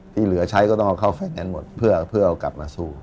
ที่เหลือใช้ก็ต้องเอาเข้าแข่งกันหมดเพื่อเอากลับมาสู้